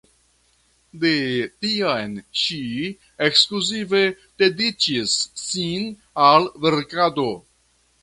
De tiam ŝi ekskluzive dediĉis sin al verkado.